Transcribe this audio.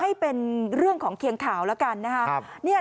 ให้เป็นเรื่องของเคียงข่าวแล้วกันนะครับ